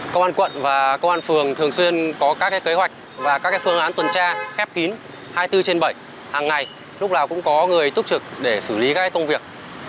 công an quận và công an phường thường xuyên có các kế hoạch và các phương án tuần tra khép kín hai mươi bốn trên bảy hàng ngày lúc nào cũng có người túc trực để xử lý các công việc